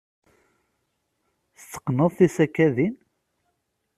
Tetteqqneḍ tisekkadin?